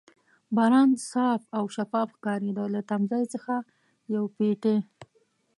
باران صاف او شفاف ښکارېده، له تمځای څخه یو پېټی.